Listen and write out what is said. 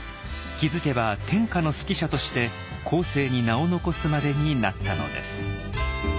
気付けば天下の数寄者として後世に名を残すまでになったのです。